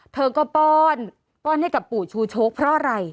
เธอก็ป้อนป้อนให้กับปู่ชูโชคเพราะอะไร